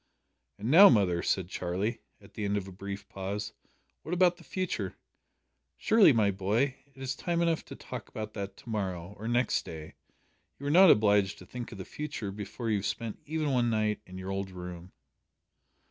"And now, mother," said Charlie, at the end of a brief pause, "what about the future?" "Surely, my boy, it is time enough to talk about that to morrow, or next day. You are not obliged to think of the future before you have spent even one night in your old room."